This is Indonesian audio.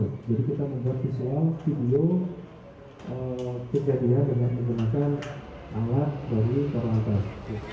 jadi kita membuat visual video kejadian dengan menggunakan alat dari korlantas